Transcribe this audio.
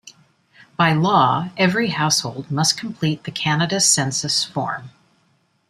By law, every household must complete the Canada Census form.